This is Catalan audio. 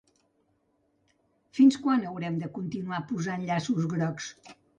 Fins quan haurem de continuar posant llaços grocs?